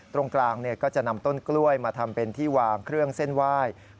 ตรงกลางก็จะนำต้นกล้วยมาทำเป็นที่วางเครื่องเส้นไหว้